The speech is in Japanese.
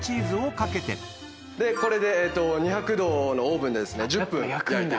これで２００℃のオーブンで１０分焼いていきます。